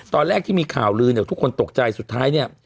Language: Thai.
ตอนแรกที่มีข่าวลือเนี่ยทุกคนตกใจสุดท้ายเนี่ย